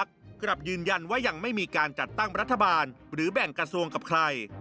กลับยืนยันว่ายังไม่มีการจัดตั้งรัฐบาลหรือแบ่งกระทรวงกับใคร